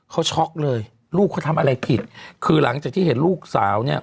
เขาช็อกเลยลูกเขาทำอะไรผิดคือหลังจากที่เห็นลูกสาวเนี่ย